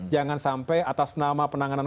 jangan sampai atas nama penanganan